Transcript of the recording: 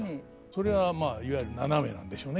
それはまあいわゆる斜めなんでしょうねきっとね。